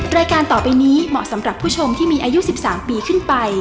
รายการต่อไปนี้เหมาะสำหรับผู้ชมที่มีอายุ๑๓ปีขึ้นไป